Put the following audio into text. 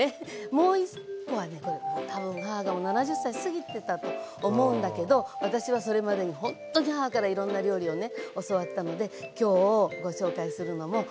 もう１個はねこれ多分母が７０歳すぎてたと思うんだけど私はそれまでにほんとに母からいろんな料理をね教わったので今日ご紹介するのも。